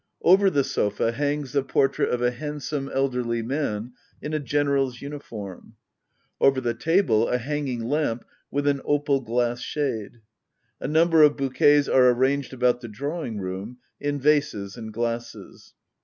Over the sofa hangs the portrait of a handsome elderly man in a GeneraPs uniform. Over the table a hanging lamp, with an opal glass shade. — A number of bouqu^sare arranged about the drawing roomy in vases and glasses.